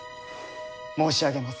申し上げます。